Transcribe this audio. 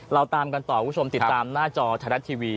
เราตามกันต่อคุณผู้ชมติดตามหน้าจอไทยรัฐทีวี